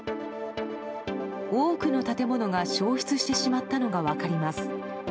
多くの建物が焼失してしまったのが分かります。